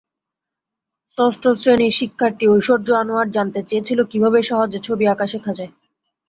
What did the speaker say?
ষষ্ঠ শ্রেণীর শিক্ষার্থী ঐশ্বর্য্য আনোয়ার জানতে চেয়েছিল কীভাবে সহজে ছবি আঁকা শেখা যায়।